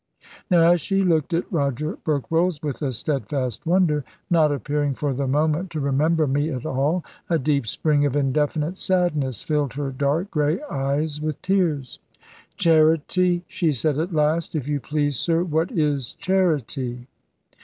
Now, as she looked at Roger Berkrolles with a steadfast wonder, not appearing for the moment to remember me at all, a deep spring of indefinite sadness filled her dark grey eyes with tears. "Charity!" she said at last: "if you please, sir, what is charity?"